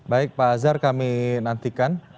baik pak azhar kami nantikan